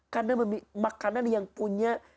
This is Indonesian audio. karena makanan yang punya